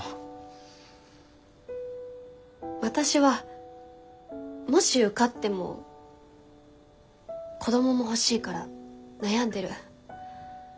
私はもし受かっても子どもも欲しいから悩んでる。